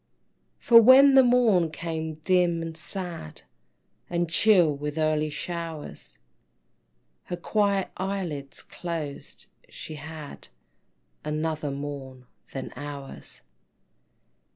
For when the morn came dim and sad, And chill with early showers, Her quiet eyelids closed she had Another morn than ours.